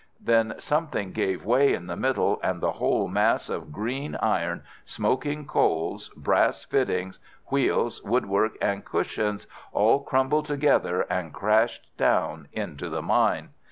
Then something gave way in the middle, and the whole mass of green iron, smoking coals, brass fittings, wheels, woodwork, and cushions all crumbled together and crashed down into the mine.